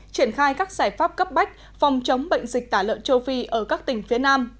triển khai các giải pháp cấp bách phòng chống bệnh dịch tả lợn châu phi ở các tỉnh phía nam